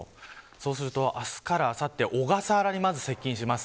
そうすると明日からあさって小笠原に接近します。